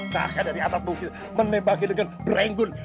takkan dari atas bukit menembaki dengan berenggun